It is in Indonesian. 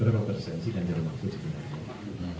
represensi dan jalan maksud sebenarnya